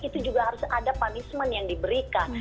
itu juga harus ada punishment yang diberikan